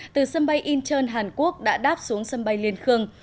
từ sân bay incheon hàn quốc đã đáp xuống sân bay liên khương